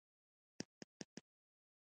دښمن پیژندل د عقل کار دی.